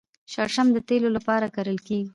شړشم د تیلو لپاره کرل کیږي.